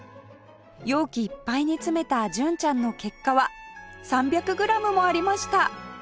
容器いっぱいに詰めた純ちゃんの結果は３００グラムもありました